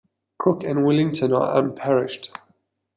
Crook and Willington are unparished.